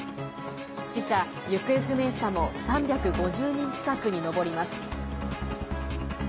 死者・行方不明者も３５０人近くに上ります。